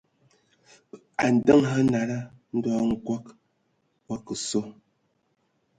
A ndǝŋə hm nala, ndɔ Nkɔg o akǝ sɔ,